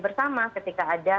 bersama ketika ada